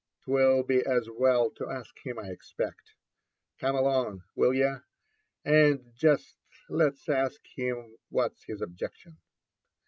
'Twill be as well to ask him, I expect. Come along, will ye, and jest let's ask him what's his objection."